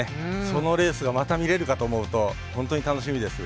そのレースがまた見れるかと思うと本当に楽しみです。